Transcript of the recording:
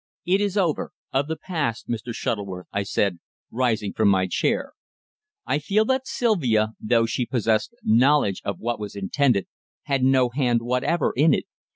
"It is over of the past, Mr. Shuttleworth," I said, rising from my chair. "I feel confident that Sylvia, though she possessed knowledge of what was intended, had no hand whatever in it.